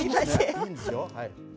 いいですよ。